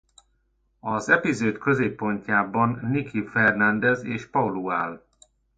Az epizód középpontjában Nikki Fernandez és Paulo áll.